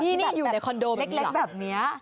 ที่นี่อยู่ในคอนโดแบบนี้หรอ